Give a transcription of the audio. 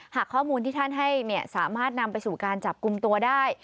หากข้อมูลที่ท่านให้สามารถนำไปสู่การจับกลุ่มตัวได้